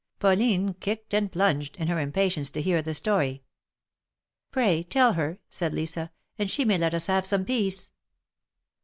Pauline kicked and plunged, in her impatience to hear the story. Pray, tell her," said Lisa, and she may let us have some peace